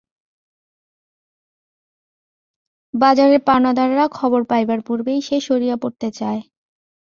বাজারের পাওনাদাররা খবর পাইবার পূর্বেই সে সরিয়া পড়তে চায়।